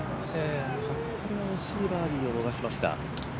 服部が惜しいバーディーを逃しました。